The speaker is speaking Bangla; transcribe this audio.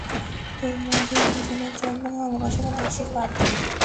তোমাদের দুজনের জন্য ভালবাসা এবং আশীর্বাদ।